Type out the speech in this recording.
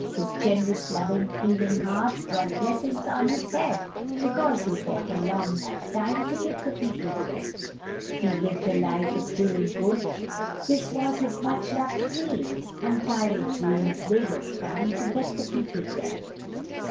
His generous, loving, feeling heart Brought blessings on his head, Because he fought a long lifetime, "To give the people bread." He lived a life of doing good, This was his much loved creed, Untiring zeal his labours crown'd "To get the people bread."